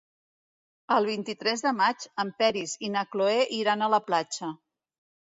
El vint-i-tres de maig en Peris i na Cloè iran a la platja.